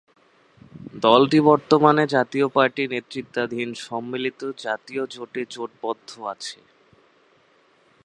দলটি বর্তমানে জাতীয় পার্টি নেতৃত্বাধীন সম্মিলিত জাতীয় জোটে জোটবদ্ধ আছে।